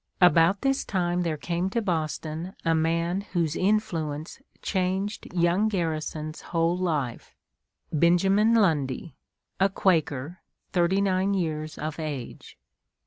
About this time there came to Boston a man whose influence changed young Garrison's whole life, Benjamin Lundy, a Quaker, thirty nine years of age.